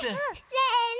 せの！